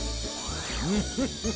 フフフッ。